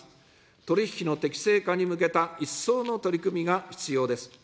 取り引きの適正化に向けた一層の取り組みが必要です。